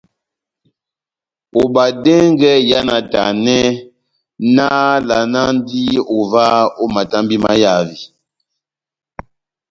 Obadɛngɛ iha náhtanɛ, nahávalanandi ová ó matambi mahavi.